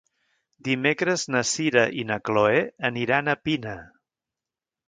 Dimecres na Sira i na Chloé aniran a Pina.